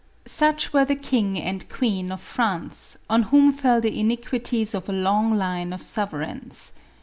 Such were the king and queen of France, on whom fell the iniquities of a long line of sovereigns.